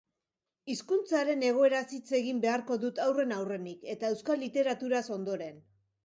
Hizkuntzaren egoeraz hitz egin beharko dut aurren-aurrenik, eta euskal literaturaz ondoren.